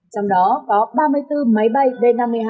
trong đó có ba mươi bốn máy bay b năm mươi hai